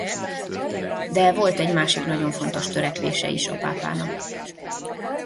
De volt egy másik nagyon fontos törekvése is a pápának.